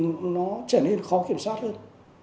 chúng tôi không thể kiểm soát được